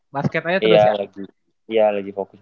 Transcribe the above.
basket aja terus ya iya lagi fokus